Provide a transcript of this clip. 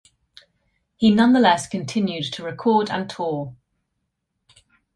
He nonetheless continued to record and tour.